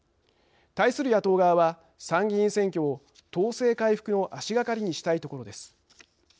対する野党側は参議院選挙を党勢回復の足がかりにしたいところです。